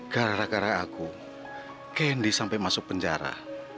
gara gara aku kendi sampai masuk penjara